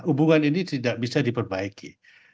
hubungan ini tidak bisa diperbaiki